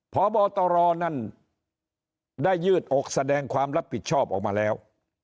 พบตรนั่นได้ยืดอกแสดงความรับผิดชอบออกมาแล้ว